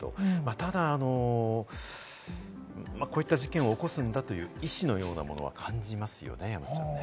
ただ、こういった事件を起こすんだという意思のようなものは感じますよね、山ちゃんね。